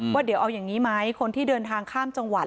ว่าเดี๋ยวเอาอย่างนี้ไหมคนที่เดินทางข้ามจังหวัด